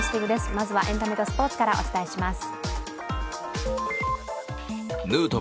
まずはエンタメとスポーツからお伝えします。